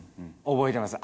覚えてます